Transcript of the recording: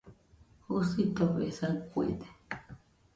Jusitofe saɨkuede.